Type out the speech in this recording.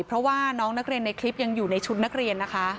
เพราะว่าน้องนักเรียนในคลิปยังอยู่ในชุดนักเรียนนะคะ